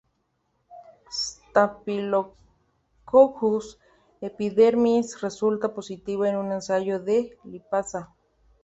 Staphylococcus epidermis resulta positiva en un ensayo de lipasa.